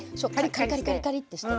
カリカリカリカリッとして。